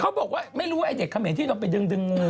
เขาบอกว่าไม่รู้ไอ้เด็กเขมรที่เราไปดึงงู